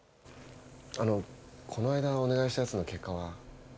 あのこないだお願いしたやつの結果は？